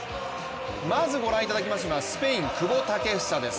まずご覧いただきますのはスペイン・久保建英選手です。